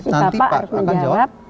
nanti pak harus menjawab